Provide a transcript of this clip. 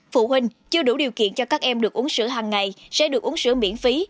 phụ huynh chưa đủ điều kiện cho các em được uống sữa hằng ngày sẽ được uống sữa miễn phí